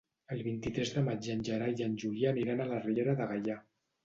El vint-i-tres de maig en Gerai i en Julià aniran a la Riera de Gaià.